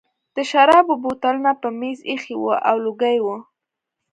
د شرابو بوتلونه په مېز ایښي وو او لوګي وو